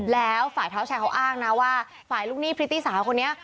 แล้วฝ่ายเท้าแชร์เขาอ้างนะว่าฝ่ายลูกหนี้พริตตี้สาวคนนี้